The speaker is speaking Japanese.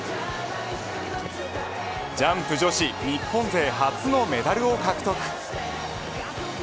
ジャンプ女子日本勢初のメダルを獲得。